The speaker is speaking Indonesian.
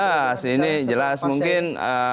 jelas ini jelas mungkin